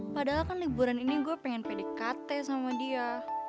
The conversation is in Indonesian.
padahal kan liburan ini gue pengen pdkt sama dia